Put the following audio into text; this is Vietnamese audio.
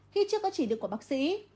khi chưa có chỉ được của bác sĩ